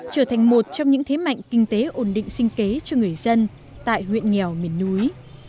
trở thành một trong những thế mạnh kinh tế ổn định sinh kế cho người dân tại huyện nghèo miền núi